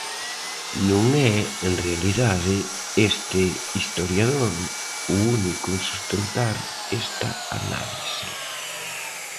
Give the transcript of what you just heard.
Non é, en realidade, este historiador o único en sustentar esta análise.